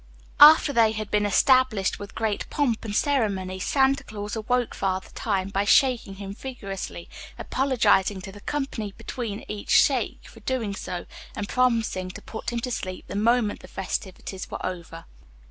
After they had been established with great pomp and ceremony, Santa Claus awoke Father Time by shaking him vigorously, apologizing to the company between each shake for doing so, and promising to put him to sleep the moment the festivities were over.